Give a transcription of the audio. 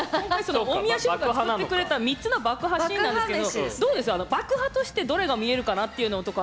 大宮シェフが作ってくれた３つの爆破シーンなんですけど爆破シーンとしてどれが見えるかなと。